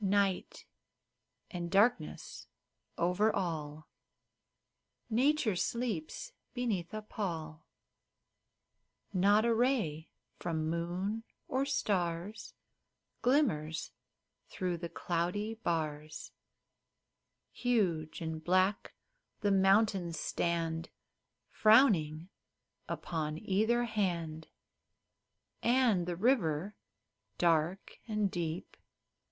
Night and darkness over all ! Nature sleeps beneath a pall ; Not a ray from moon or stars Glimmers through the cloudy bars ; Huge and black the mountains stand Frowning upon either hand, And the river, dark and deep.